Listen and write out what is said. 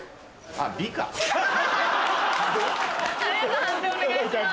判定お願いします。